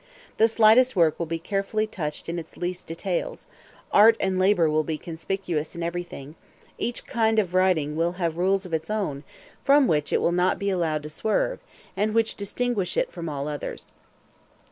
The slightest work will be carefully touched in its least details; art and labor will be conspicuous in everything; each kind of writing will have rules of its own, from which it will not be allowed to swerve, and which distinguish it from all others.